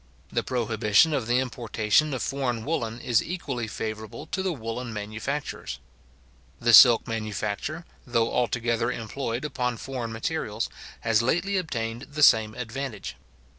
The prohibition of the importation of foreign woollen is equally favourable to the woollen manufacturers. The silk manufacture, though altogether employed upon foreign materials, has lately obtained the same advantage.